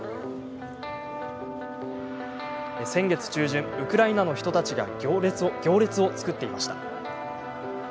先月中旬、ウクライナの人たちが行列を作っていました。